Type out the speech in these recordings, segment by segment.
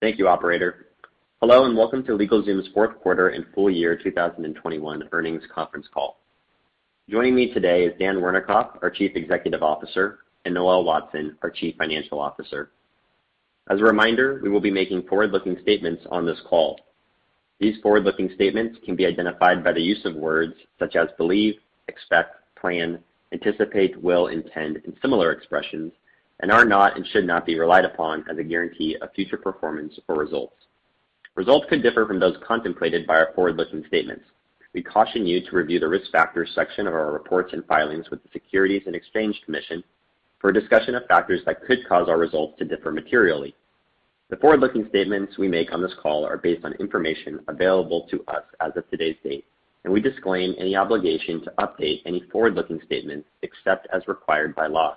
Thank you, operator. Hello, and welcome to LegalZoom's fourth quarter and full year 2021 earnings conference call. Joining me today is Dan Wernikoff, our Chief Executive Officer, and Noel Watson, our Chief Financial Officer. As a reminder, we will be making forward-looking statements on this call. These forward-looking statements can be identified by the use of words such as believe, expect, plan, anticipate, will, intend, and similar expressions, and are not and should not be relied upon as a guarantee of future performance or results. Results could differ from those contemplated by our forward-looking statements. We caution you to review the Risk Factors section of our reports and filings with the Securities and Exchange Commission for a discussion of factors that could cause our results to differ materially. The forward-looking statements we make on this call are based on information available to us as of today's date, and we disclaim any obligation to update any forward-looking statements except as required by law.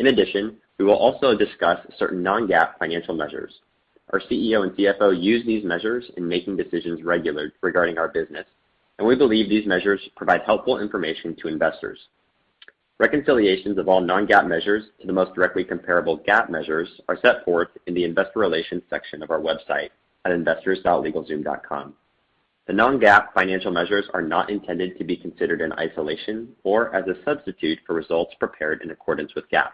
In addition, we will also discuss certain non-GAAP financial measures. Our CEO and CFO use these measures in making decisions regularly regarding our business, and we believe these measures provide helpful information to investors. Reconciliations of all non-GAAP measures to the most directly comparable GAAP measures are set forth in the Investor Relations section of our website at investors.legalzoom.com. The non-GAAP financial measures are not intended to be considered in isolation or as a substitute for results prepared in accordance with GAAP.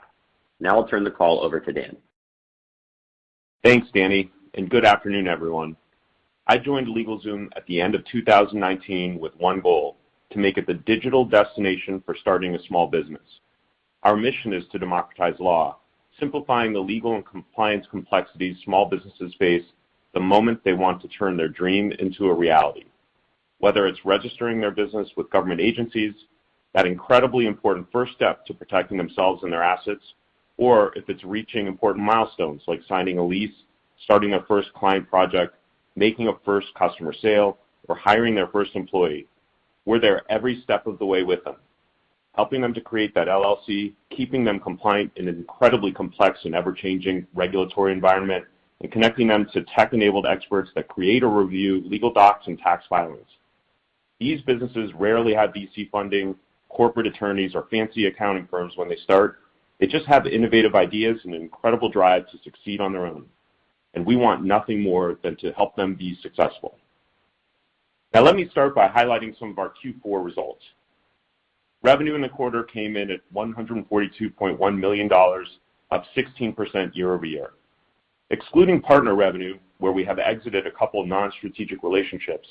Now I'll turn the call over to Dan. Thanks, Danny, and good afternoon, everyone. I joined LegalZoom at the end of 2019 with one goal, to make it the digital destination for starting a small business. Our mission is to democratize law, simplifying the legal and compliance complexities small businesses face the moment they want to turn their dream into a reality. Whether it's registering their business with government agencies, that incredibly important first step to protecting themselves and their assets, or if it's reaching important milestones like signing a lease, starting a first client project, making a first customer sale, or hiring their first employee, we're there every step of the way with them, helping them to create that LLC, keeping them compliant in an incredibly complex and ever-changing regulatory environment, and connecting them to tech-enabled experts that create or review legal docs and tax filings. These businesses rarely have VC funding, corporate attorneys, or fancy accounting firms when they start. They just have the innovative ideas and incredible drive to succeed on their own, and we want nothing more than to help them be successful. Now let me start by highlighting some of our Q4 results. Revenue in the quarter came in at $142.1 million, up 16% year-over-year. Excluding Partner revenue, where we have exited a couple non-strategic relationships,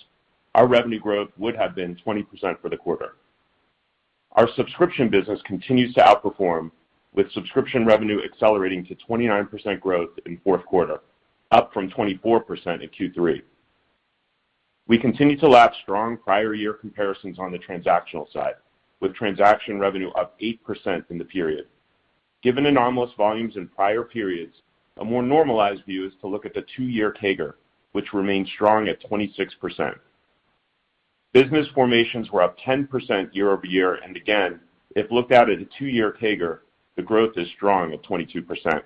our revenue growth would have been 20% for the quarter. Our Subscription business continues to outperform, with Subscription revenue accelerating to 29% growth in fourth quarter, up from 24% in Q3. We continue to lap strong prior year comparisons on the Transactional side, with transaction revenue up 8% in the period. Given anomalous volumes in prior periods, a more normalized view is to look at the two-year CAGR, which remains strong at 26%. Business formations were up 10% year-over-year, and again, if looked at a two-year CAGR, the growth is strong at 22%.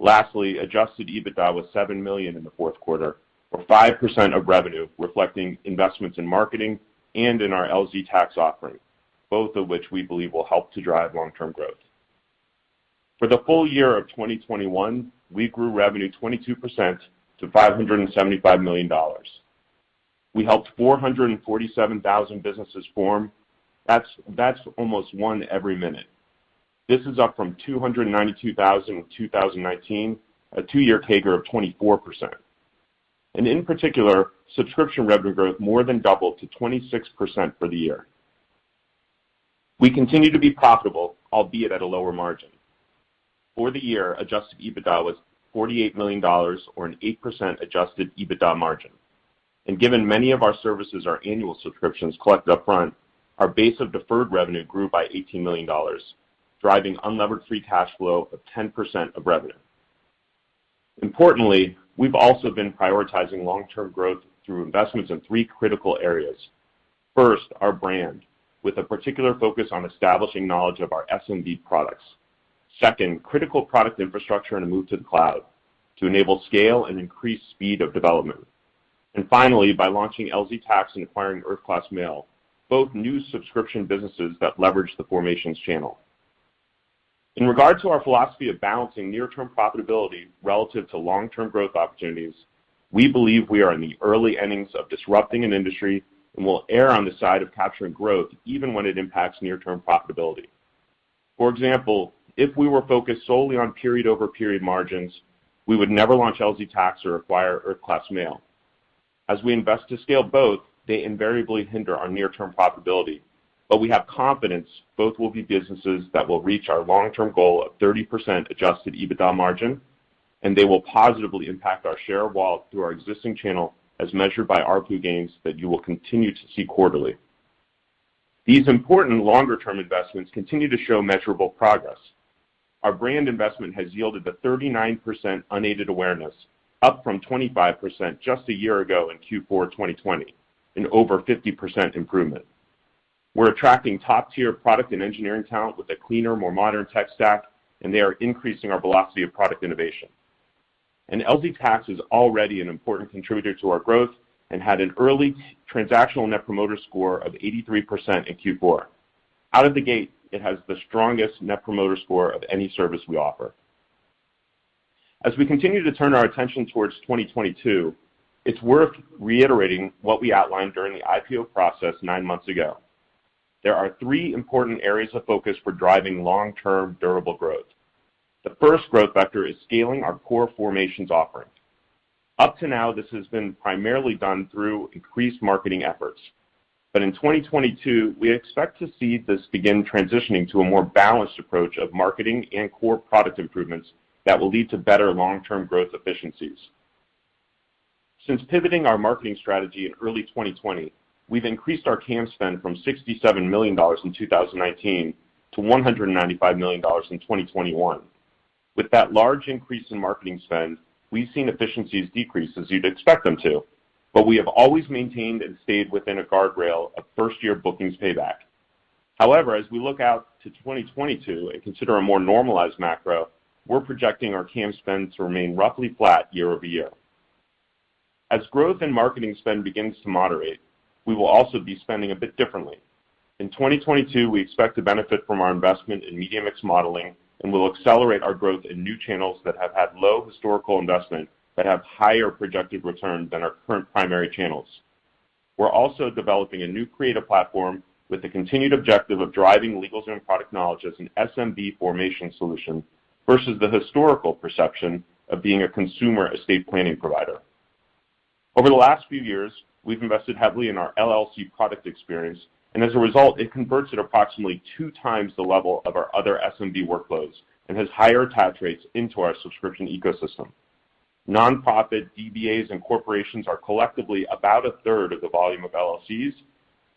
Lastly, adjusted EBITDA was $7 million in the fourth quarter, or 5% of revenue, reflecting investments in marketing and in our LZ Tax offering, both of which we believe will help to drive long-term growth. For the full year of 2021, we grew revenue 22% to $575 million. We helped 447,000 businesses form. That's almost one every minute. This is up from 292,000 in 2019, a two-year CAGR of 24%. In particular, Subscription revenue growth more than doubled to 26% for the year. We continue to be profitable, albeit at a lower margin. For the year, adjusted EBITDA was $48 million or an 8% adjusted EBITDA margin. Given many of our services are annual subscriptions collected up front, our base of deferred revenue grew by $18 million, driving unlevered free cash flow of 10% of revenue. Importantly, we've also been prioritizing long-term growth through investments in three critical areas. First, our brand, with a particular focus on establishing knowledge of our SMB products. Second, critical product infrastructure and a move to the cloud to enable scale and increase speed of development. Finally, by launching LZ Tax and acquiring Earth Class Mail, both new subscription businesses that leverage the formations channel. In regard to our philosophy of balancing near-term profitability relative to long-term growth opportunities, we believe we are in the early innings of disrupting an industry and will err on the side of capturing growth even when it impacts near-term profitability. For example, if we were focused solely on period-over-period margins, we would never launch LZ Tax or acquire Earth Class Mail. As we invest to scale both, they invariably hinder our near-term profitability, but we have confidence both will be businesses that will reach our long-term goal of 30% adjusted EBITDA margin, and they will positively impact our share of wallet through our existing channel as measured by ARPU gains that you will continue to see quarterly. These important longer-term investments continue to show measurable progress. Our brand investment has yielded a 39% unaided awareness up from 25% just a year ago in Q4 2020, an over 50% improvement. We're attracting top-tier product and engineering talent with a cleaner, more modern tech stack, and they are increasing our velocity of product innovation. LZ Tax is already an important contributor to our growth and had an early Transactional net promoter score of 83% in Q4. Out of the gate, it has the strongest net promoter score of any service we offer. As we continue to turn our attention towards 2022, it's worth reiterating what we outlined during the IPO process nine months ago. There are three important areas of focus for driving long-term durable growth. The first growth vector is scaling our core formations offering. Up to now, this has been primarily done through increased marketing efforts. In 2022, we expect to see this begin transitioning to a more balanced approach of marketing and core product improvements that will lead to better long-term growth efficiencies. Since pivoting our marketing strategy in early 2020, we've increased our ad spend from $67 million in 2019 to $195 million in 2021. With that large increase in marketing spend, we've seen efficiencies decrease as you'd expect them to, but we have always maintained and stayed within a guardrail of first year bookings payback. However, as we look out to 2022 and consider a more normalized macro, we're projecting our ad spend to remain roughly flat year-over-year. As growth in marketing spend begins to moderate, we will also be spending a bit differently. In 2022, we expect to benefit from our investment in media mix modeling, and we'll accelerate our growth in new channels that have had low historical investment that have higher projected return than our current primary channels. We're also developing a new creative platform with the continued objective of driving LegalZoom product knowledge as an SMB formation solution versus the historical perception of being a consumer estate planning provider. Over the last few years, we've invested heavily in our LLC product experience, and as a result, it converts at approximately two times the level of our other SMB workloads and has higher attach rates into our Subscription ecosystem. Nonprofit DBAs and corporations are collectively about a third of the volume of LLCs,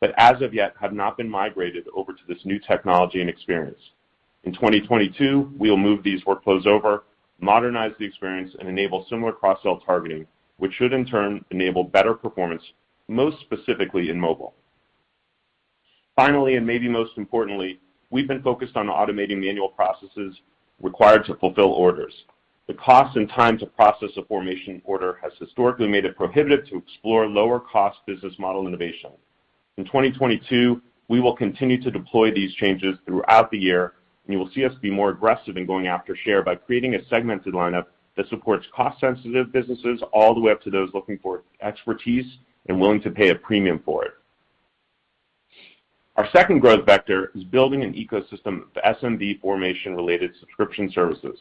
but as of yet have not been migrated over to this new technology and experience. In 2022, we'll move these workflows over, modernize the experience, and enable similar cross-sell targeting, which should in turn enable better performance, most specifically in mobile. Finally, and maybe most importantly, we've been focused on automating the annual processes required to fulfill orders. The cost and time to process a formation order has historically made it prohibitive to explore lower cost business model innovation. In 2022, we will continue to deploy these changes throughout the year, and you will see us be more aggressive in going after share by creating a segmented lineup that supports cost sensitive businesses all the way up to those looking for expertise and willing to pay a premium for it. Our second growth vector is building an ecosystem of SMB formation-related Subscription Services.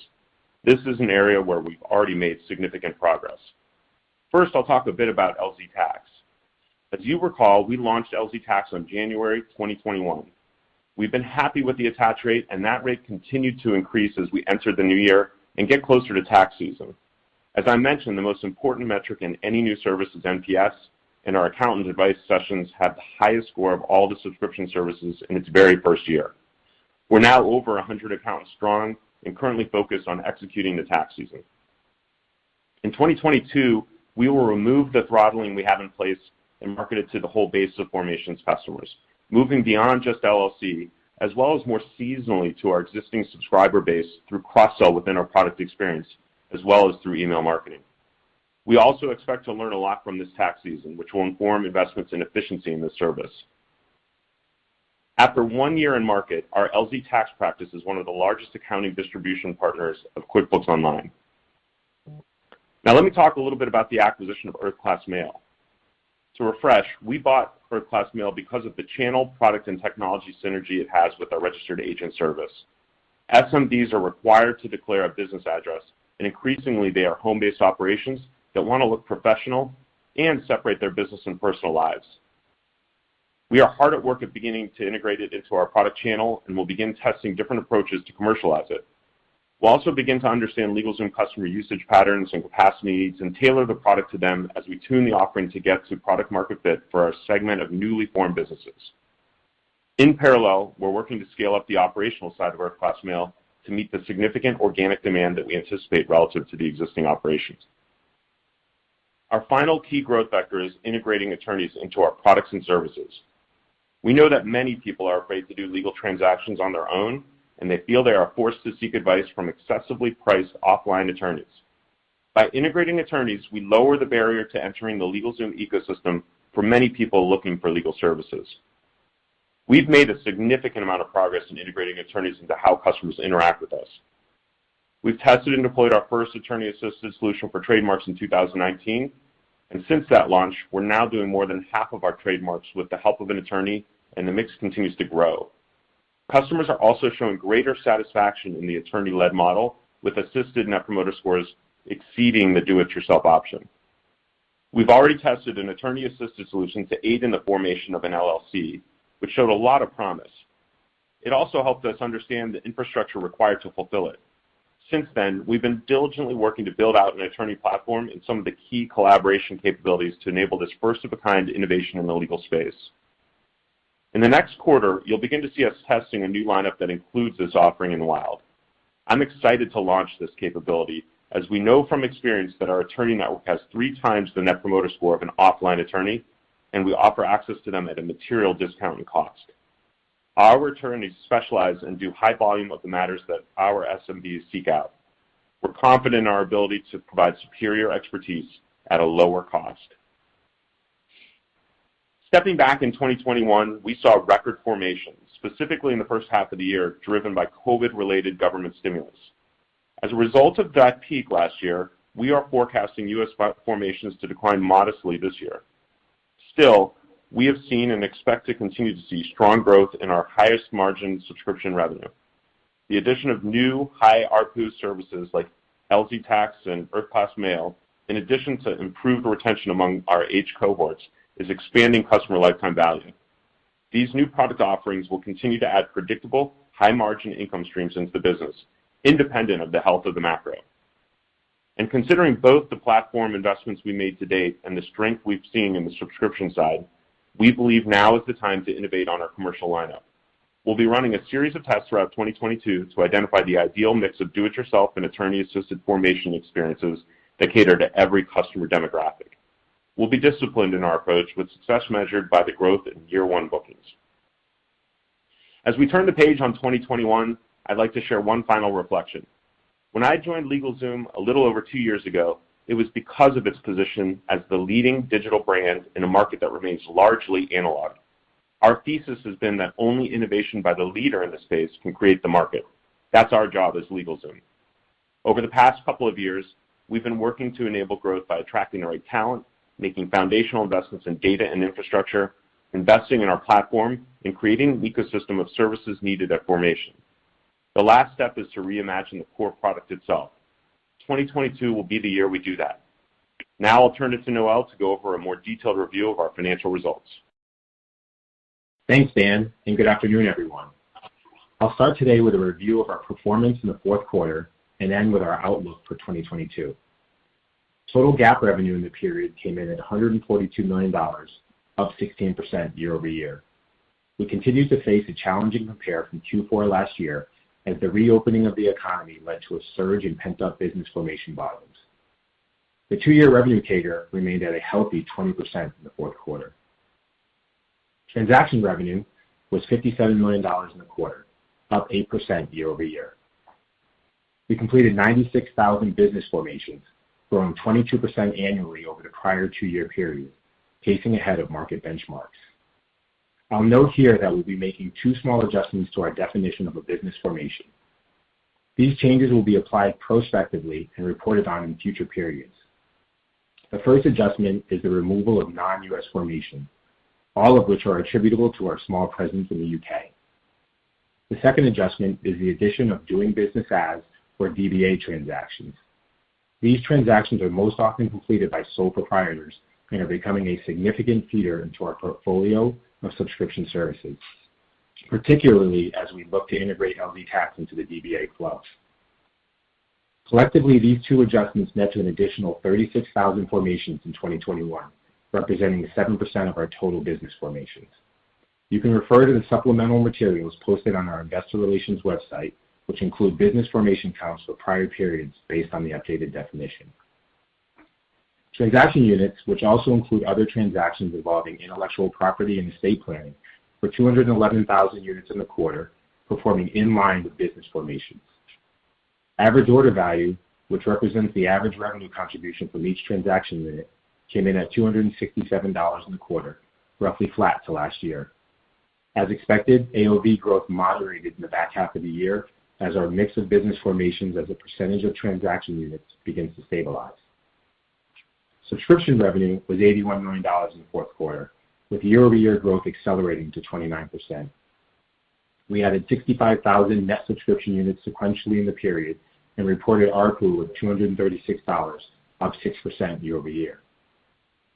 This is an area where we've already made significant progress. First, I'll talk a bit about LZ Tax. As you recall, we launched LZ Tax on January 2021. We've been happy with the attach rate, and that rate continued to increase as we enter the new year and get closer to tax season. As I mentioned, the most important metric in any new service is NPS, and our accountant advice sessions have the highest score of all the Subscription Services in its very first year. We're now over 100 accounts strong and currently focused on executing the tax season. In 2022, we will remove the throttling we have in place and market it to the whole base of formations customers, moving beyond just LLC, as well as more seasonally to our existing subscriber base through cross-sell within our product experience, as well as through email marketing. We also expect to learn a lot from this tax season, which will inform investments and efficiency in this service. After one year in market, our LZ Tax practice is one of the largest accounting distribution partners of QuickBooks Online. Now let me talk a little bit about the acquisition of Earth Class Mail. To refresh, we bought Earth Class Mail because of the channel product and technology synergy it has with our registered agent service. SMBs are required to declare a business address, and increasingly they are home-based operations that want to look professional and separate their business and personal lives. We are hard at work at beginning to integrate it into our product channel and will begin testing different approaches to commercialize it. We'll also begin to understand LegalZoom customer usage patterns and capacity needs and tailor the product to them as we tune the offering to get to product market fit for our segment of newly formed businesses. In parallel, we're working to scale up the operational side of our Earth Class Mail to meet the significant organic demand that we anticipate relative to the existing operations. Our final key growth vector is integrating attorneys into our products and services. We know that many people are afraid to do legal transactions on their own, and they feel they are forced to seek advice from excessively priced offline attorneys. By integrating attorneys, we lower the barrier to entering the LegalZoom ecosystem for many people looking for legal services. We've made a significant amount of progress in integrating attorneys into how customers interact with us. We've tested and deployed our first attorney assistant solution for trademarks in 2019, and since that launch, we're now doing more than half of our trademarks with the help of an attorney, and the mix continues to grow. Customers are also showing greater satisfaction in the attorney-led model, with assisted net promoter scores exceeding the do it yourself option. We've already tested an attorney assistant solution to aid in the formation of an LLC, which showed a lot of promise. It also helped us understand the infrastructure required to fulfill it. Since then, we've been diligently working to build out an attorney platform and some of the key collaboration capabilities to enable this first of a kind innovation in the legal space. In the next quarter, you'll begin to see us testing a new lineup that includes this offering in the wild. I'm excited to launch this capability as we know from experience that our attorney network has three times the net promoter score of an offline attorney, and we offer access to them at a material discount and cost. Our attorneys specialize and do high volume of the matters that our SMBs seek out. We're confident in our ability to provide superior expertise at a lower cost. Stepping back in 2021, we saw record formations, specifically in the first half of the year, driven by COVID-related government stimulus. As a result of that peak last year, we are forecasting U.S. formations to decline modestly this year. Still, we have seen and expect to continue to see strong growth in our highest margin Subscription revenue. The addition of new high ARPU services like LZ Tax and Earth Class Mail, in addition to improved retention among our age cohorts, is expanding customer lifetime value. These new product offerings will continue to add predictable, high-margin income streams into the business, independent of the health of the macro. Considering both the platform investments we made to date and the strength we've seen in the Subscription side, we believe now is the time to innovate on our commercial lineup. We'll be running a series of tests throughout 2022 to identify the ideal mix of do-it-yourself and attorney-assisted formation experiences that cater to every customer demographic. We'll be disciplined in our approach with success measured by the growth in year one bookings. As we turn the page on 2021, I'd like to share one final reflection. When I joined LegalZoom a little over two years ago, it was because of its position as the leading digital brand in a market that remains largely analog. Our thesis has been that only innovation by the leader in this space can create the market. That's our job as LegalZoom. Over the past couple of years, we've been working to enable growth by attracting the right talent, making foundational investments in data and infrastructure, investing in our platform, and creating an ecosystem of services needed at formation. The last step is to reimagine the core product itself. 2022 will be the year we do that. Now I'll turn it to Noel to go over a more detailed review of our financial results. Thanks, Dan, and good afternoon, everyone. I'll start today with a review of our performance in the fourth quarter and end with our outlook for 2022. Total GAAP revenue in the period came in at $142 million, up 16% year over year. We continued to face a challenging compare from Q4 last year as the reopening of the economy led to a surge in pent-up business formation volumes. The two-year revenue CAGR remained at a healthy 20% in the fourth quarter. Transaction revenue was $57 million in the quarter, up 8% year over year. We completed 96,000 business formations, growing 22% annually over the prior two-year period, pacing ahead of market benchmarks. I'll note here that we'll be making two small adjustments to our definition of a business formation. These changes will be applied prospectively and reported on in future periods. The first adjustment is the removal of non-U.S. formations, all of which are attributable to our small presence in the U.K. The second adjustment is the addition of Doing Business As or DBA transactions. These transactions are most often completed by sole proprietors and are becoming a significant feeder into our portfolio of Subscription Services, particularly as we look to integrate LZ Tax into the DBA flows. Collectively, these two adjustments net to an additional 36,000 formations in 2021, representing 7% of our total business formations. You can refer to the supplemental materials posted on our investor relations website, which include business formation counts for prior periods based on the updated definition. Transaction units, which also include other transactions involving intellectual property and estate planning, were 211,000 units in the quarter, performing in line with business formations. Average order value, which represents the average revenue contribution from each transaction unit, came in at $267 in the quarter, roughly flat to last year. As expected, AOV growth moderated in the back half of the year as our mix of business formations as a percentage of transaction units begins to stabilize. Subscription revenue was $81 million in the fourth quarter, with year-over-year growth accelerating to 29%. We added 65,000 net subscription units sequentially in the period and reported ARPU of $236, up 6% year over year.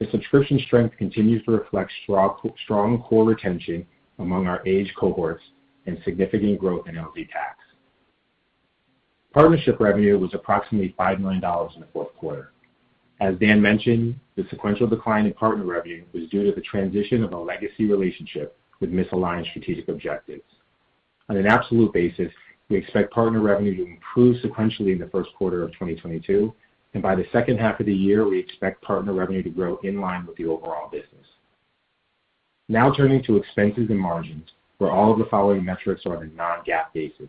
The Subscription strength continues to reflect strong core retention among our age cohorts and significant growth in LZ Tax. Partnership revenue was approximately $5 million in the fourth quarter. As Dan mentioned, the sequential decline in Partner revenue was due to the transition of a legacy relationship with misaligned strategic objectives. On an absolute basis, we expect Partner revenue to improve sequentially in the first quarter of 2022, and by the second half of the year, we expect Partner revenue to grow in line with the overall business. Now turning to expenses and margins, where all of the following metrics are on a non-GAAP basis.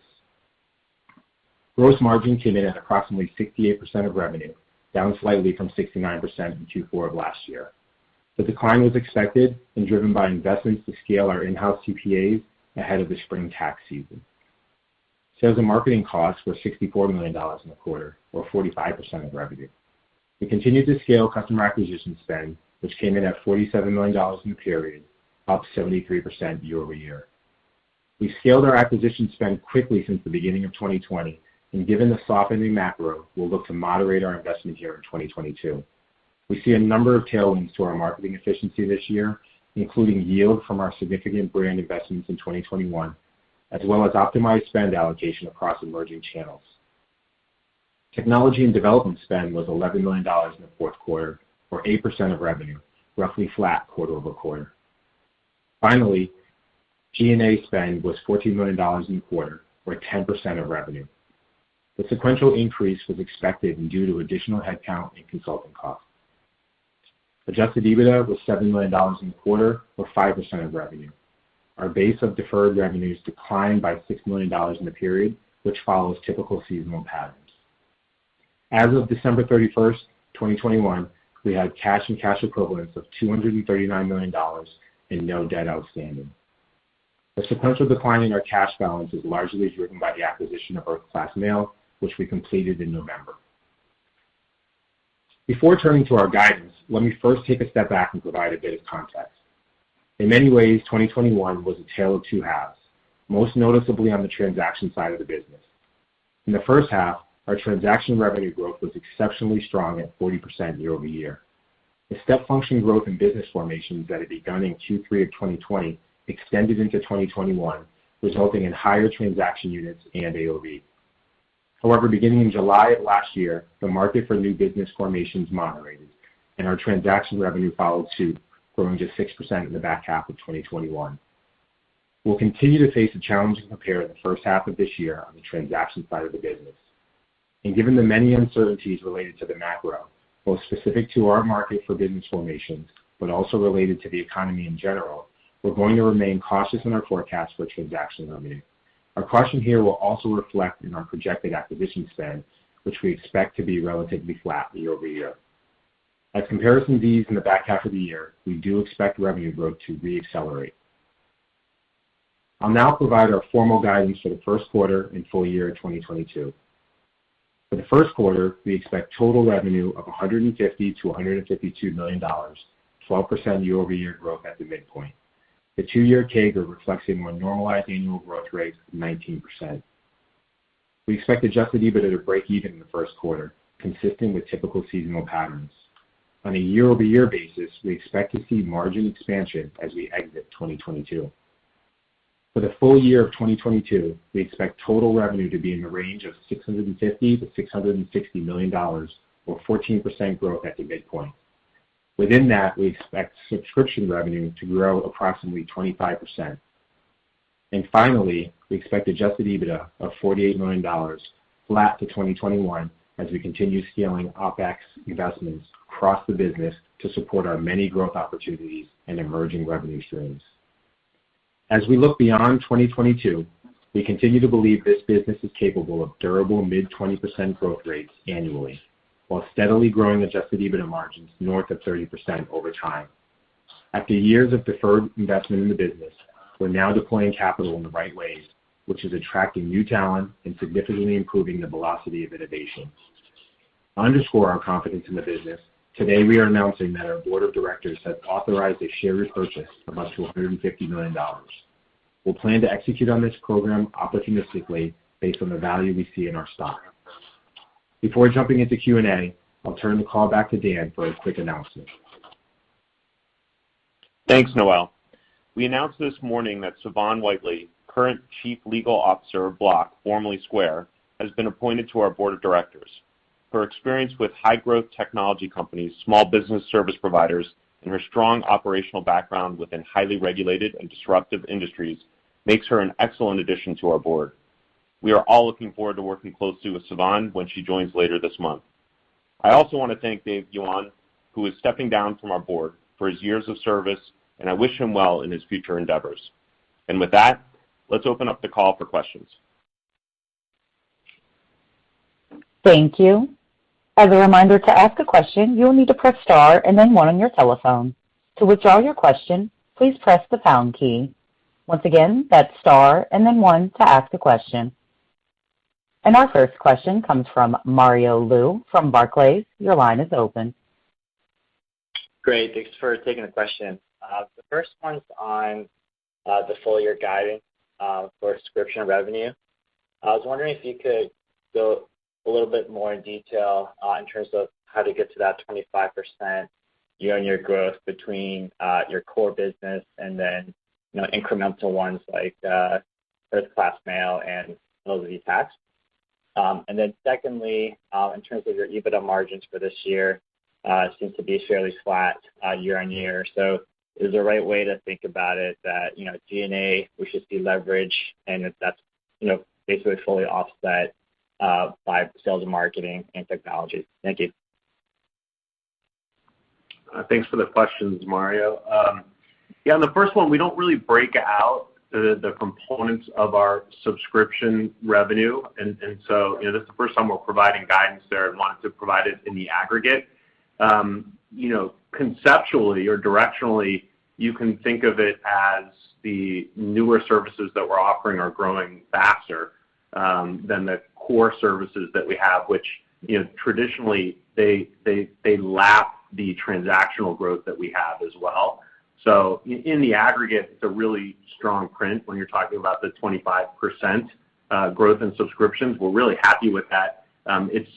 Gross margin came in at approximately 68% of revenue, down slightly from 69% in Q4 of last year. The decline was expected and driven by investments to scale our in-house CPAs ahead of the spring tax season. Sales and marketing costs were $64 million in the quarter, or 45% of revenue. We continued to scale customer acquisition spend, which came in at $47 million in the period, up 73% year-over-year. We've scaled our acquisition spend quickly since the beginning of 2020, and given the softening macro, we'll look to moderate our investment here in 2022. We see a number of tailwinds to our marketing efficiency this year, including yield from our significant brand investments in 2021, as well as optimized spend allocation across emerging channels. Technology and development spend was $11 million in the fourth quarter or 8% of revenue, roughly flat quarter-over-quarter. Finally, G&A spend was $14 million in the quarter or 10% of revenue. The sequential increase was expected and due to additional headcount and consulting costs. Adjusted EBITDA was $7 million in the quarter, or 5% of revenue. Our base of deferred revenue declined by $6 million in the period, which follows typical seasonal patterns. As of December 31, 2021, we had cash and cash equivalents of $239 million and no debt outstanding. The sequential decline in our cash balance is largely driven by the acquisition of Earth Class Mail, which we completed in November. Before turning to our guidance, let me first take a step back and provide a bit of context. In many ways, 2021 was a tale of two halves, most noticeably on the transaction side of the business. In the first half, our transaction revenue growth was exceptionally strong at 40% year-over-year. The step function growth in business formation that had begun in Q3 of 2020 extended into 2021, resulting in higher transaction units and AOV. However, beginning in July of last year, the market for new business formations moderated, and our transaction revenue followed suit, growing just 6% in the back half of 2021. We'll continue to face a challenging compare in the first half of this year on the transaction side of the business. Given the many uncertainties related to the macro, both specific to our market for business formations, but also related to the economy in general, we're going to remain cautious in our forecast for transaction revenue. Our caution here will also reflect in our projected acquisition spend, which we expect to be relatively flat year over year. As comparisons in the back half of the year, we do expect revenue growth to re-accelerate. I'll now provide our formal guidance for the first quarter and full year 2022. For the first quarter, we expect total revenue of $150 million-$152 million, 12% year-over-year growth at the midpoint. The two-year CAGR reflects a more normalized annual growth rate of 19%. We expect adjusted EBITDA to break even in the first quarter, consistent with typical seasonal patterns. On a year-over-year basis, we expect to see margin expansion as we exit 2022. For the full year of 2022, we expect total revenue to be in the range of $650 million-$660 million, or 14% growth at the midpoint. Within that, we expect Subscription revenue to grow approximately 25%. Finally, we expect adjusted EBITDA of $48 million, flat to 2021, as we continue scaling OpEx investments across the business to support our many growth opportunities and emerging revenue streams. As we look beyond 2022, we continue to believe this business is capable of durable mid-20% growth rates annually, while steadily growing adjusted EBITDA margins north of 30% over time. After years of deferred investment in the business, we're now deploying capital in the right ways, which is attracting new talent and significantly improving the velocity of innovation. To underscore our confidence in the business, today we are announcing that our Board of Directors has authorized a share repurchase of up to $150 million. We'll plan to execute on this program opportunistically based on the value we see in our stock. Before jumping into Q&A, I'll turn the call back to Dan for a quick announcement. Thanks, Noel. We announced this morning that Sivan Whiteley, current Chief Legal Officer of Block, formerly Square, has been appointed to our Board of Directors. Her experience with high-growth technology companies, small business service providers, and her strong operational background within highly regulated and disruptive industries makes her an excellent addition to our Board. We are all looking forward to working closely with Sivan when she joins later this month. I also want to thank Dave Yuan, who is stepping down from our Board, for his years of service, and I wish him well in his future endeavors. With that, let's open up the call for questions. Thank you. As a reminder, to ask a question, you will need to press star and then one on your telephone. To withdraw your question, please press the pound key. Once again, that's star and then one to ask a question. Our first question comes from Mario Lu from Barclays. Your line is open. Great. Thanks for taking the question. The first one's on the full year guidance for Subscription revenue. I was wondering if you could go a little bit more in detail in terms of how to get to that 25% year-over-year growth between your core business and then, you know, incremental ones like Earth Class Mail and those that you've had. And then secondly, in terms of your EBITDA margins for this year, seems to be fairly flat year-over-year. Is the right way to think about it that, you know, G&A, we should see leverage, and if that's, you know, basically fully offset by sales and marketing and technology? Thank you. Thanks for the questions, Mario. Yeah, on the first one, we don't really break out the components of our Subscription revenue. You know, this is the first time we're providing guidance there and wanted to provide it in the aggregate. You know, conceptually or directionally, you can think of it as the newer services that we're offering are growing faster than the core services that we have, which, you know, traditionally they lap the Transactional growth that we have as well. In the aggregate, it's a really strong print when you're talking about the 25% growth in subscriptions. We're really happy with that. It's.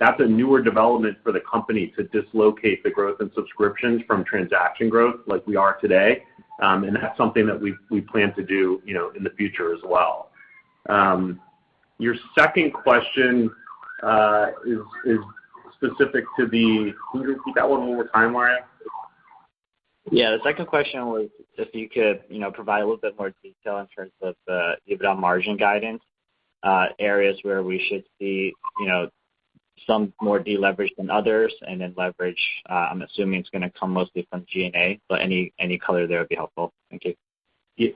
That's a newer development for the company to dislocate the growth in subscriptions from transaction growth like we are today. That's something that we plan to do, you know, in the future as well. Your second question is specific to the. Can you repeat that one more time, Mario? Yeah. The second question was if you could, you know, provide a little bit more detail in terms of the EBITDA margin guidance, areas where we should see, you know, some more deleverage than others, and then leverage, I'm assuming it's gonna come mostly from G&A, but any color there would be helpful. Thank you.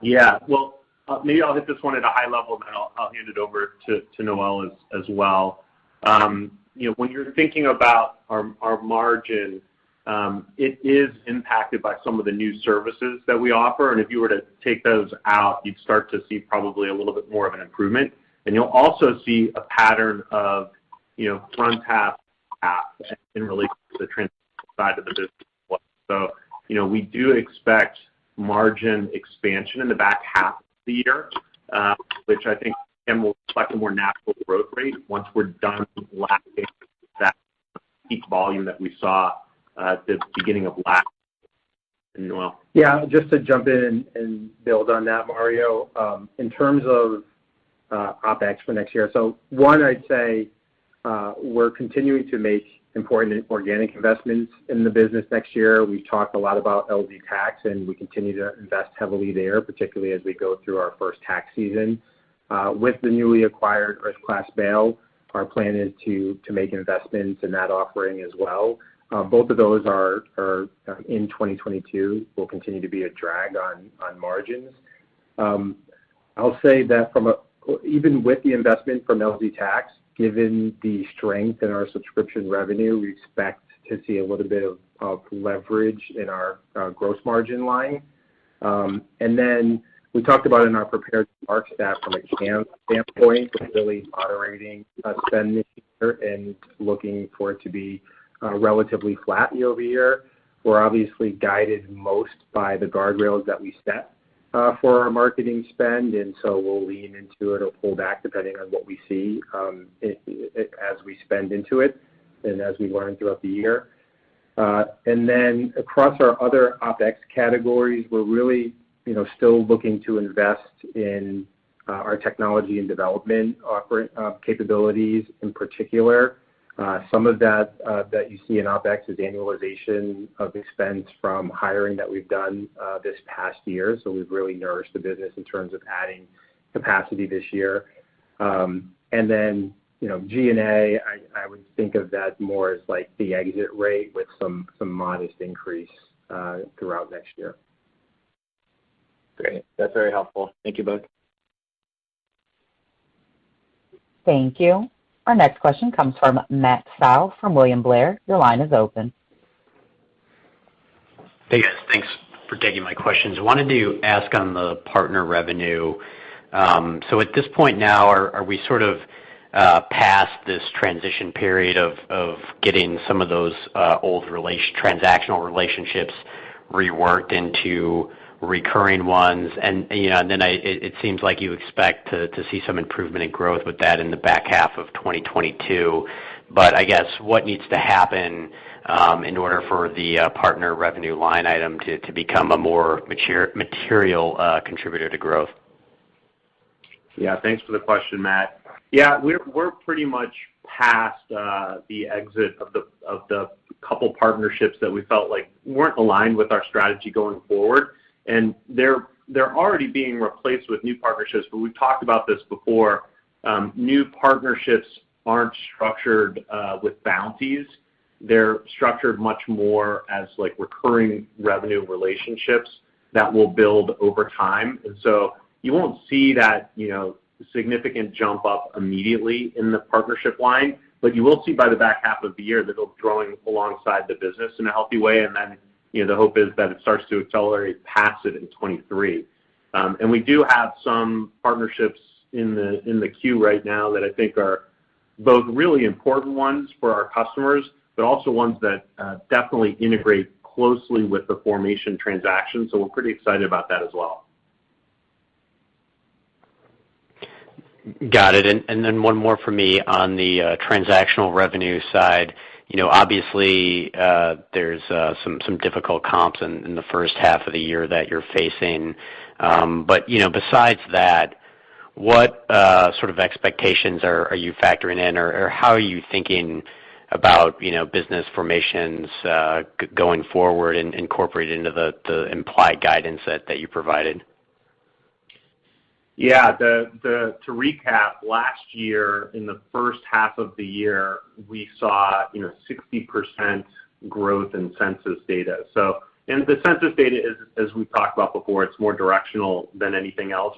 Yeah. Well, maybe I'll hit this one at a high level, then I'll hand it over to Noel as well. You know, when you're thinking about our margin, it is impacted by some of the new services that we offer. If you were to take those out, you'd start to see probably a little bit more of an improvement. You'll also see a pattern of, you know, front half in relation to the transition side of the business as well. You know, we do expect margin expansion in the back half of the year, which I think will reflect a more natural growth rate once we're done lapping that peak volume that we saw at the beginning of last year, Noel. Yeah, just to jump in and build on that, Mario. In terms of OpEx for next year. One, I'd say, we're continuing to make important organic investments in the business next year. We've talked a lot about LZ Tax, and we continue to invest heavily there, particularly as we go through our first tax season. With the newly acquired Earth Class Mail, our plan is to make investments in that offering as well. Both of those are in 2022 will continue to be a drag on margins. I'll say that from even with the investment from LZ Tax, given the strength in our Subscription revenue, we expect to see a little bit of leverage in our gross margin line. We talked about in our prepared remarks that from a TAM standpoint, we're really moderating our spend this year and looking for it to be relatively flat year-over-year. We're obviously guided most by the guardrails that we set for our marketing spend, and so we'll lean into it or pull back depending on what we see as we spend into it and as we learn throughout the year. Across our other OpEx categories, we're really, you know, still looking to invest in our technology and development capabilities in particular. Some of that that you see in OpEx is annualization of expense from hiring that we've done this past year. We've really nourished the business in terms of adding capacity this year. You know, G&A, I would think of that more as like the exit rate with some modest increase throughout next year. Great. That's very helpful. Thank you both. Thank you. Our next question comes from Matt Stotler from William Blair. Your line is open. Hey, guys. Thanks for taking my questions. I wanted to ask on the Partner revenue. So at this point now, are we sort of past this transition period of getting some of those old transactional relationships reworked into recurring ones? It seems like you expect to see some improvement in growth with that in the back half of 2022. What needs to happen in order for the Partner revenue line item to become a more material contributor to growth? Yeah, thanks for the question, Matt. Yeah. We're pretty much past the exit of the couple partnerships that we felt like weren't aligned with our strategy going forward, and they're already being replaced with new partnerships. We've talked about this before, new partnerships aren't structured with bounties. They're structured much more as like recurring revenue relationships that will build over time. You won't see that, you know, significant jump up immediately in the partnership line. You will see by the back half of the year that it'll be growing alongside the business in a healthy way. You know, the hope is that it starts to accelerate past it in 2023. We do have some partnerships in the queue right now that I think are both really important ones for our customers, but also ones that definitely integrate closely with the Formation transaction, so we're pretty excited about that as well. Got it. Then one more for me on the Transactional revenue side. You know, obviously, there's some difficult comps in the first half of the year that you're facing. You know, besides that, what sort of expectations are you factoring in, or how are you thinking about, you know, business formations going forward and incorporated into the implied guidance that you provided? To recap, last year, in the first half of the year, we saw, you know, 60% growth in census data. The census data is, as we've talked about before, it's more directional than anything else.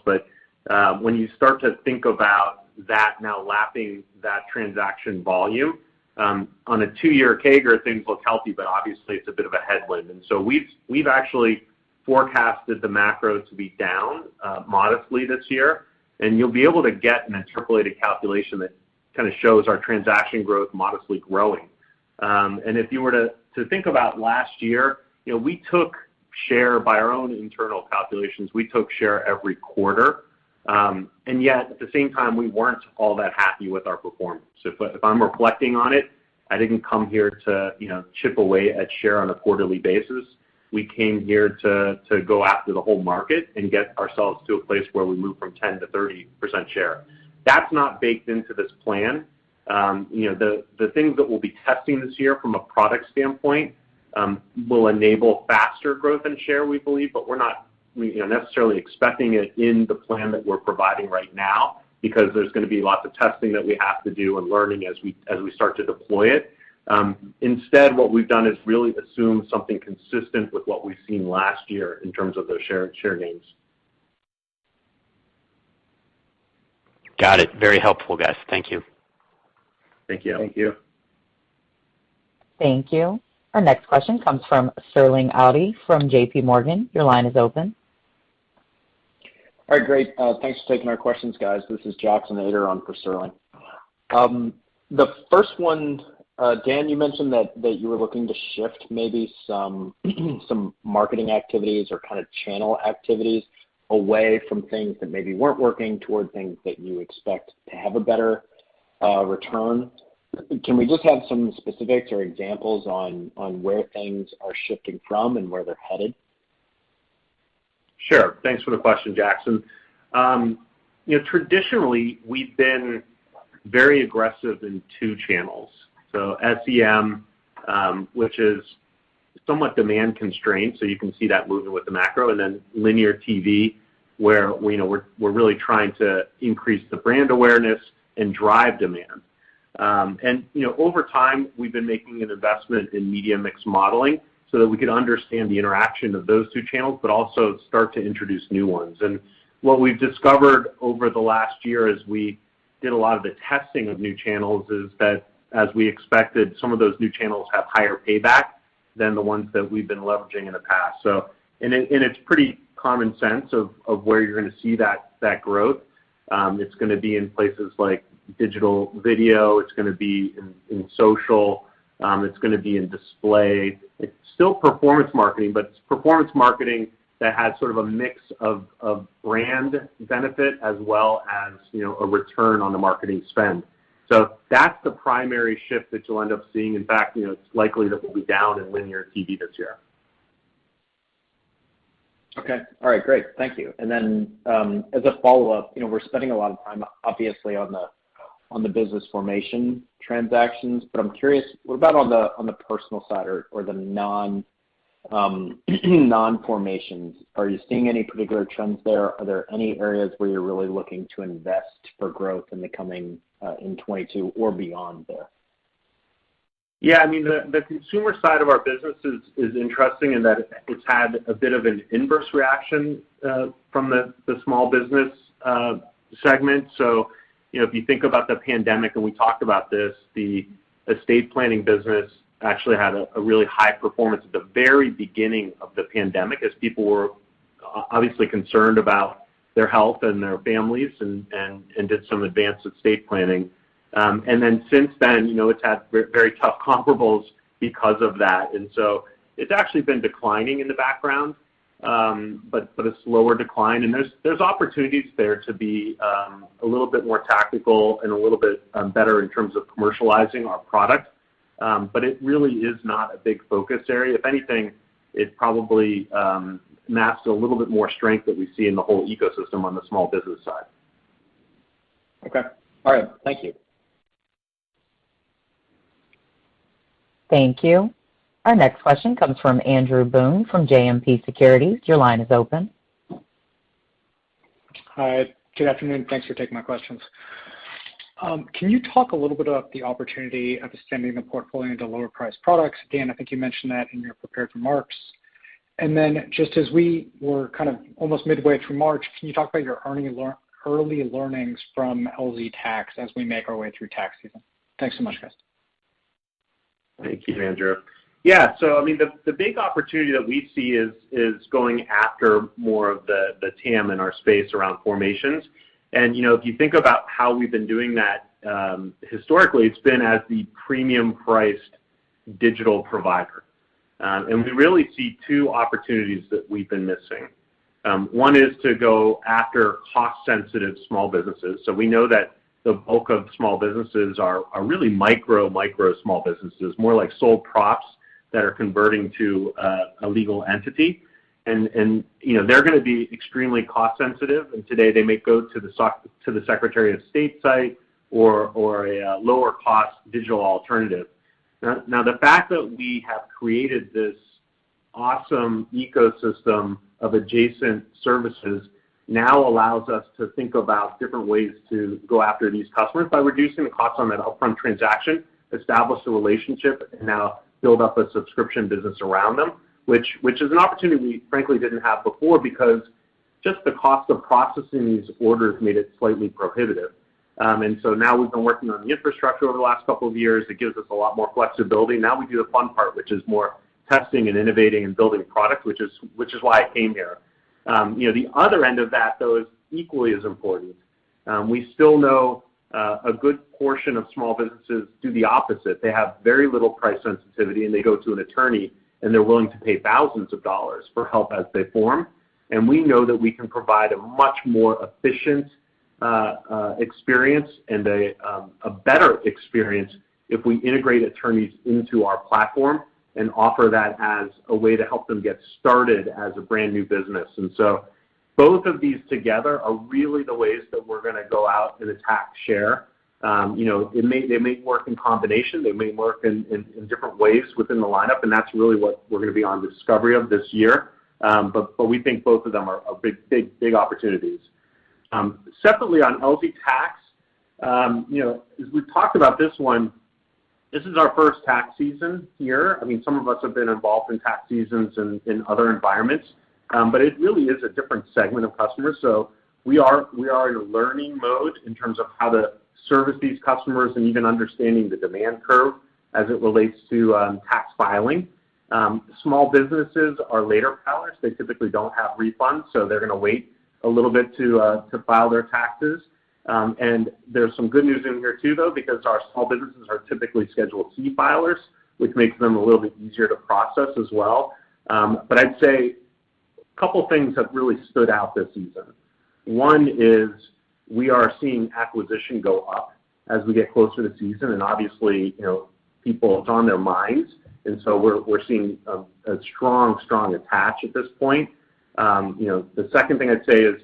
When you start to think about that now lapping that transaction volume, on a two-year CAGR, things look healthy, but obviously it's a bit of a headwind. We've actually forecasted the macro to be down modestly this year, and you'll be able to get an interpolated calculation that kinda shows our transaction growth modestly growing. If you were to think about last year, you know, we took share by our own internal calculations. We took share every quarter. Yet at the same time, we weren't all that happy with our performance. If I'm reflecting on it, I didn't come here to, you know, chip away at share on a quarterly basis. We came here to go after the whole market and get ourselves to a place where we move from 10% to 30% share. That's not baked into this plan. You know, the things that we'll be testing this year from a product standpoint will enable faster growth and share, we believe, but we're not necessarily expecting it in the plan that we're providing right now because there's gonna be lots of testing that we have to do and learning as we start to deploy it. Instead, what we've done is really assume something consistent with what we've seen last year in terms of those share gains. Got it. Very helpful, guys. Thank you. Thank you. Thank you. Thank you. Our next question comes from Sterling Auty from JPMorgan. Your line is open. All right, great. Thanks for taking our questions, guys. This is Jackson Ader on for Sterling Auty. The first one, Dan, you mentioned that you were looking to shift maybe some marketing activities or kind of channel activities away from things that maybe weren't working toward things that you expect to have a better return. Can we just have some specifics or examples on where things are shifting from and where they're headed? Sure. Thanks for the question, Jackson. You know, traditionally, we've been very aggressive in two channels. SEM, which is somewhat demand constrained, so you can see that movement with the macro, and then linear TV, where, you know, we're really trying to increase the brand awareness and drive demand. You know, over time, we've been making an investment in media mix modeling so that we could understand the interaction of those two channels but also start to introduce new ones. What we've discovered over the last year as we did a lot of the testing of new channels is that as we expected, some of those new channels have higher payback than the ones that we've been leveraging in the past. It's pretty common sense of where you're gonna see that growth. It's gonna be in places like digital video. It's gonna be in social. It's gonna be in display. It's still performance marketing, but it's performance marketing that has sort of a mix of brand benefit as well as, you know, a return on the marketing spend. That's the primary shift that you'll end up seeing. In fact, you know, it's likely that we'll be down in linear TV this year. Okay. All right. Great. Thank you. As a follow-up, you know, we're spending a lot of time obviously on the business formation transactions, but I'm curious, what about on the personal side or the non-formations? Are you seeing any particular trends there? Are there any areas where you're really looking to invest for growth in the coming, in 2022 or beyond there? Yeah. I mean, the consumer side of our business is interesting in that it's had a bit of an inverse reaction from the small business segment. You know, if you think about the pandemic, and we talked about this, the estate planning business actually had a really high performance at the very beginning of the pandemic as people were obviously concerned about their health and their families and did some advanced estate planning. Since then, you know, it's had very tough comparables because of that. It's actually been declining in the background, but a slower decline. There's opportunities there to be a little bit more tactical and a little bit better in terms of commercializing our product. It really is not a big focus area. If anything, it probably, masks a little bit more strength that we see in the whole ecosystem on the small business side. Okay. All right. Thank you. Thank you. Our next question comes from Andrew Boone from JMP Securities. Your line is open. Hi. Good afternoon. Thanks for taking my questions. Can you talk a little bit about the opportunity of extending the portfolio into lower priced products? Dan, I think you mentioned that in your prepared remarks. Just as we were kind of almost midway through March, can you talk about your early learnings from LZ Tax as we make our way through tax season? Thanks so much, guys. Thank you, Andrew. Yeah. I mean, the big opportunity that we see is going after more of the TAM in our space around formations. You know, if you think about how we've been doing that, historically, it's been as the premium priced digital provider. We really see two opportunities that we've been missing. One is to go after cost sensitive small businesses. We know that the bulk of small businesses are really micro small businesses, more like sole props that are converting to a legal entity. You know, they're gonna be extremely cost sensitive, and today they may go to the secretary of state site or a lower cost digital alternative. Now the fact that we have created this awesome ecosystem of adjacent services now allows us to think about different ways to go after these customers by reducing the cost on that upfront transaction, establish the relationship, and now build up a subscription business around them, which is an opportunity we frankly didn't have before because just the cost of processing these orders made it slightly prohibitive. Now we've been working on the infrastructure over the last couple of years. It gives us a lot more flexibility. Now we do the fun part, which is more testing and innovating and building product, which is why I came here. You know, the other end of that, though, is equally as important. We still know a good portion of small businesses do the opposite. They have very little price sensitivity, and they go to an attorney, and they're willing to pay thousands of dollars for help as they form. We know that we can provide a much more efficient experience and a better experience if we integrate attorneys into our platform and offer that as a way to help them get started as a brand new business. Both of these together are really the ways that we're gonna go out and attack share. You know, they may work in combination, they may work in different ways within the lineup, and that's really what we're gonna be on discovery of this year. We think both of them are big opportunities. Separately on LZ Tax, you know, as we've talked about this one, this is our first tax season here. I mean, some of us have been involved in tax seasons in other environments, but it really is a different segment of customers. We are in a learning mode in terms of how to service these customers and even understanding the demand curve as it relates to tax filing. Small businesses are later filers. They typically don't have refunds, so they're gonna wait a little bit to file their taxes. There's some good news in here too, though, because our small businesses are typically Schedule C filers, which makes them a little bit easier to process as well. I'd say a couple things have really stood out this season. One is we are seeing acquisition go up as we get closer to season and obviously, you know, people, it's on their minds, and so we're seeing a strong attach at this point. You know, the second thing I'd say is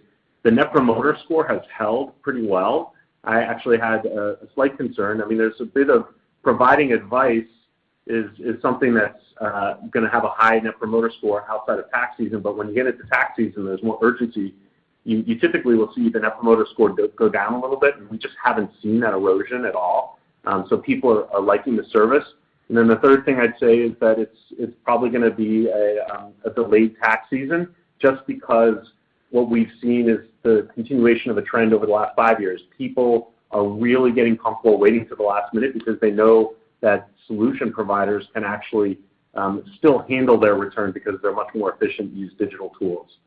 the net promoter score has held pretty well. I actually had a slight concern. I mean, there's a bit of providing advice is something that's gonna have a high net promoter score outside of tax season, but when you get into tax season, there's more urgency. You typically will see the net promoter score go down a little bit, and we just haven't seen that erosion at all. So people are liking the service. The third thing I'd say is that it's probably gonna be a delayed tax season just because what we've seen is the continuation of a trend over the last five years. People are really getting comfortable waiting till the last minute because they know that solution providers can actually still handle their return because they're much more efficient to use digital tools.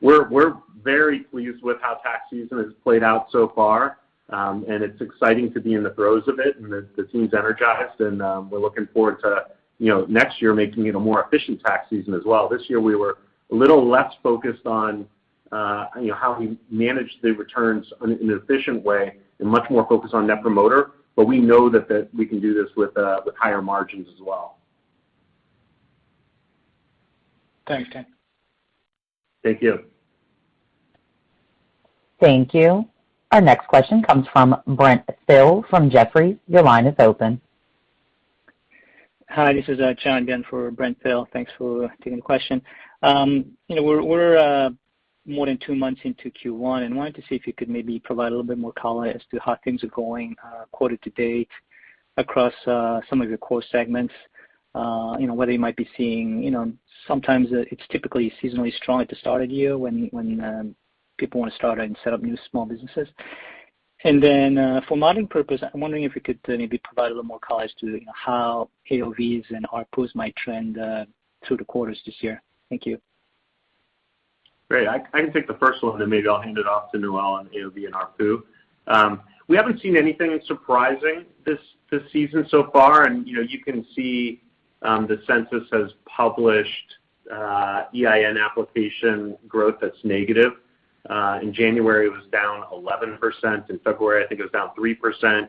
We're very pleased with how tax season has played out so far, and it's exciting to be in the throes of it, and the team's energized, and we're looking forward to, you know, next year making it a more efficient tax season as well. This year we were a little less focused on, you know, how we managed the returns in an efficient way and much more focused on net promoter, but we know that we can do this with higher margins as well. Thanks, Dan. Thank you. Thank you. Our next question comes from Brent Thill from Jefferies. Your line is open. Hi, this is John again for Brent Thill. Thanks for taking the question. We're more than two months into Q1, and wanted to see if you could maybe provide a little bit more color as to how things are going, quarter to date across some of your core segments. Whether you might be seeing sometimes it's typically seasonally strong at the start of the year when people wanna start and set up new small businesses. For modeling purposes, I'm wondering if you could maybe provide a little more color as to how AOVs and ARPUs might trend through the quarters this year. Thank you. Great. I can take the first one, then maybe I'll hand it off to Noel on AOV and ARPU. We haven't seen anything surprising this season so far, and, you know, you can see, the census has published, EIN application growth that's negative. In January, it was down 11%. In February, I think it was down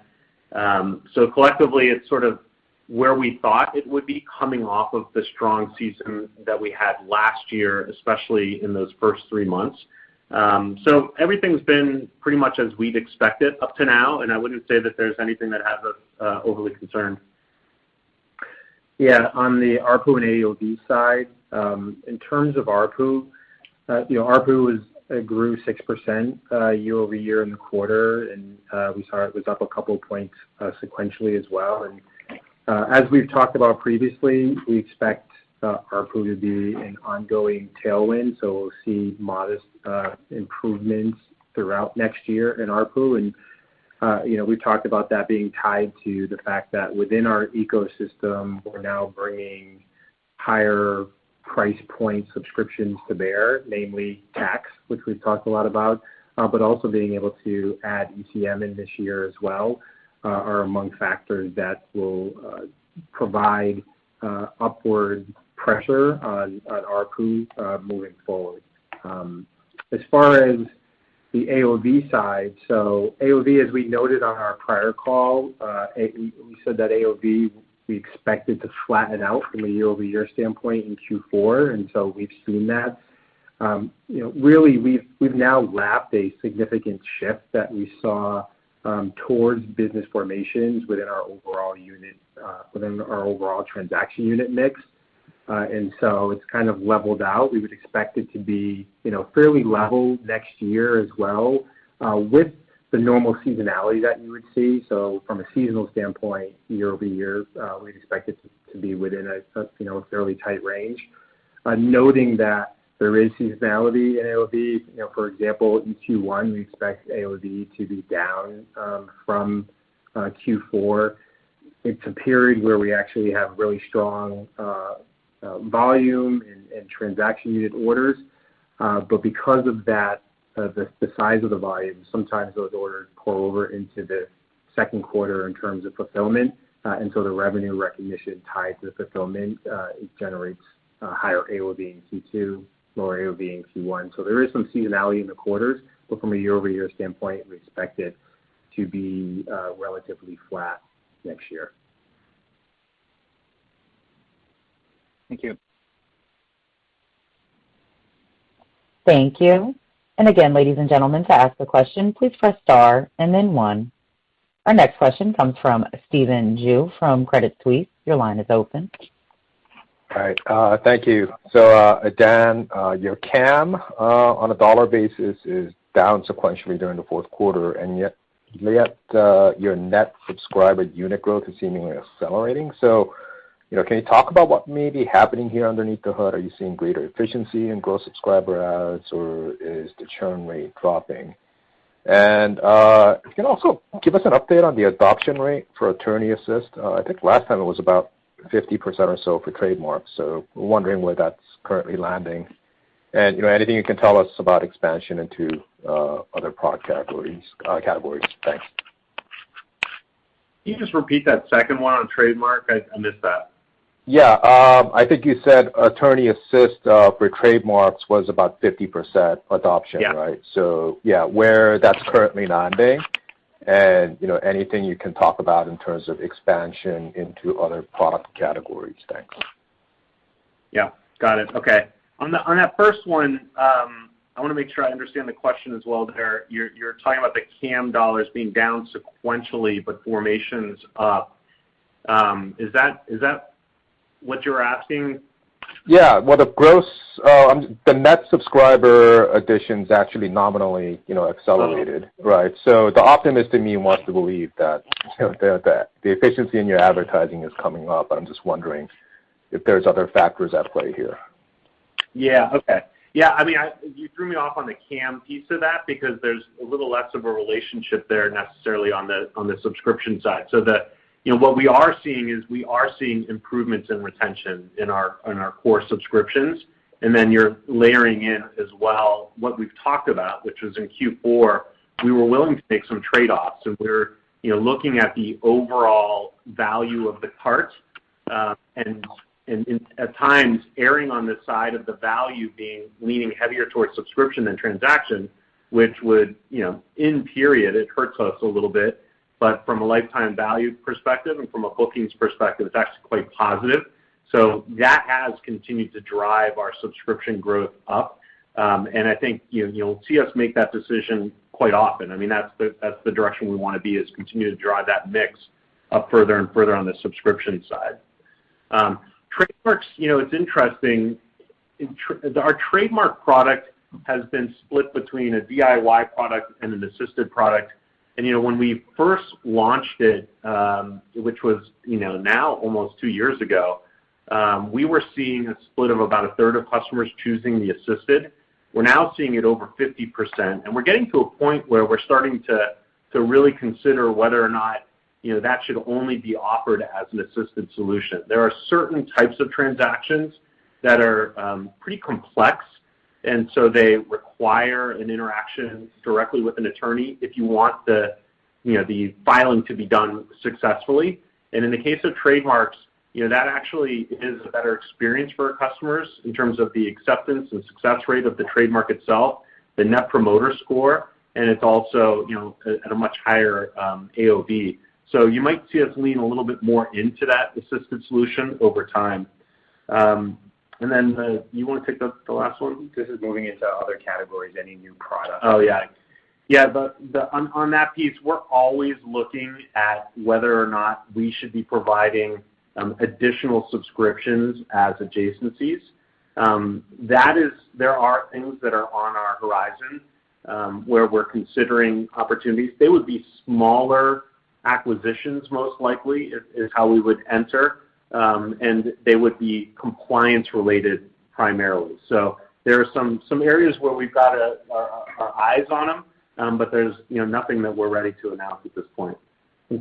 3%. So collectively, it's sort of where we thought it would be coming off of the strong season that we had last year, especially in those first three months. So everything's been pretty much as we'd expected up to now, and I wouldn't say that there's anything that has us, overly concerned. Yeah. On the ARPU and AOV side, in terms of ARPU, you know, ARPU grew 6% year-over-year in the quarter, and we saw it was up a couple points sequentially as well. As we've talked about previously, we expect ARPU to be an ongoing tailwind, so we'll see modest improvements throughout next year in ARPU. You know, we've talked about that being tied to the fact that within our ecosystem, we're now bringing higher price point subscriptions to bear, namely tax, which we've talked a lot about, but also being able to add ECM in this year as well, are among factors that will provide upward pressure on ARPU moving forward. As far as the AOV side, so AOV, as we noted on our prior call, and we said that AOV we expected to flatten out from a year-over-year standpoint in Q4, and so we've seen that. You know, really we've now lapped a significant shift that we saw, towards business formations within our overall unit, within our overall transaction unit mix. It's kind of leveled out. We would expect it to be, you know, fairly level next year as well, with the normal seasonality that you would see. From a seasonal standpoint, year-over-year, we'd expect it to be within a, you know, fairly tight range. Noting that there is seasonality in AOV, you know, for example, in Q1, we expect AOV to be down, from Q4. It's a period where we actually have really strong volume and transaction unit orders. Because of that, the size of the volume, sometimes those orders pull over into the second quarter in terms of fulfillment, and so the revenue recognition tied to the fulfillment, it generates a higher AOV in Q2, lower AOV in Q1. There is some seasonality in the quarters, but from a year-over-year standpoint, we expect it to be relatively flat next year. Thank you. Thank you. Again, ladies and gentlemen, to ask a question, please press star and then one. Our next question comes from Stephen Ju from Credit Suisse. Your line is open. All right, thank you. Dan, your CAM on a dollar basis is down sequentially during the fourth quarter, and yet your net subscriber unit growth is seemingly accelerating. You know, can you talk about what may be happening here underneath the hood? Are you seeing greater efficiency in growth subscriber adds, or is the churn rate dropping? Can you also give us an update on the adoption rate for Attorney Assist? I think last time it was about 50% or so for trademarks, so wondering where that's currently landing. You know, anything you can tell us about expansion into other product categories. Thanks. Can you just repeat that second one on trademark? I missed that. Yeah. I think you said Attorney Assist for trademarks was about 50% adoption, right? Yeah. Yeah, where that's currently landing and, you know, anything you can talk about in terms of expansion into other product categories. Thanks. Yeah. Got it. Okay. On that first one, I wanna make sure I understand the question as well there. You're talking about the CAM dollars being down sequentially, but formations up. Is that what you're asking? Yeah. Well, the net subscriber additions actually nominally, you know, accelerated. Uh-huh. Right? The optimist in me wants to believe that, you know, the efficiency in your advertising is coming up, but I'm just wondering if there's other factors at play here. I mean, you threw me off on the CAM piece of that because there's a little less of a relationship there necessarily on the Subscription side. You know, what we are seeing is improvements in retention in our core subscriptions, and then you're layering in as well what we've talked about, which was in Q4, we were willing to make some trade-offs, and we're, you know, looking at the overall value of the cart, and in at times erring on the side of the value being leaning heavier towards Subscription than transaction, which would, you know, in period, it hurts us a little bit, but from a lifetime value perspective and from a bookings perspective, it's actually quite positive. That has continued to drive our Subscription growth up. I think, you know, you'll see us make that decision quite often. I mean, that's the direction we wanna be, is continue to drive that mix up further and further on the Subscription side. Trademarks, you know, it's interesting. Our trademark product has been split between a DIY product and an assisted product. You know, when we first launched it, which was, you know, now almost two years ago, we were seeing a split of about a third of customers choosing the assisted. We're now seeing it over 50%, and we're getting to a point where we're starting to really consider whether or not, you know, that should only be offered as an assisted solution. There are certain types of transactions that are pretty complex, and so they require an interaction directly with an attorney if you want the, you know, the filing to be done successfully. In the case of trademarks, you know, that actually is a better experience for our customers in terms of the acceptance and success rate of the trademark itself, the net promoter score, and it's also, you know, at a much higher AOV. You might see us lean a little bit more into that assisted solution over time. Then, you wanna take the last one? This is moving into other categories, any new products? Oh, yeah. Yeah. On that piece, we're always looking at whether or not we should be providing additional subscriptions as adjacencies. There are things that are on our horizon where we're considering opportunities. They would be smaller acquisitions most likely, is how we would enter, and they would be compliance related primarily. There are some areas where we've got our eyes on them, but there's, you know, nothing that we're ready to announce at this point.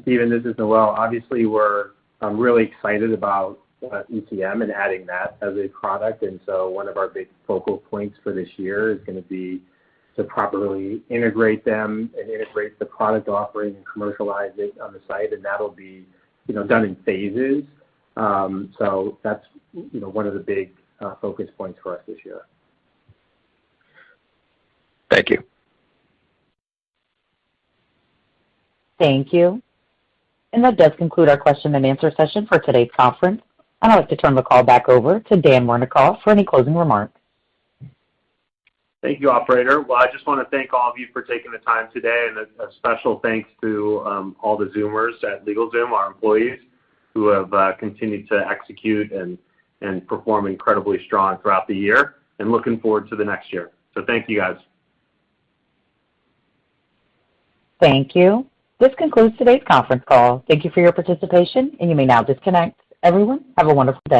Stephen, this is Noel. Obviously, we're really excited about ECM and adding that as a product. One of our big focal points for this year is gonna be to properly integrate them and integrate the product offering and commercialize it on the site, and that'll be, you know, done in phases. That's, you know, one of the big focus points for us this year. Thank you. Thank you. That does conclude our question and answer session for today's conference. I'd like to turn the call back over to Dan Wernikoff for any closing remarks. Thank you, operator. Well, I just wanna thank all of you for taking the time today, and a special thanks to all the Zoomers at LegalZoom, our employees, who have continued to execute and perform incredibly strong throughout the year. Looking forward to the next year. Thank you, guys. Thank you. This concludes today's conference call. Thank you for your participation, and you may now disconnect. Everyone, have a wonderful day.